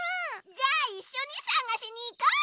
じゃあいっしょにさがしにいこう！